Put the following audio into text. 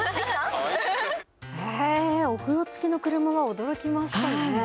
お風呂付きの車は驚きましたね。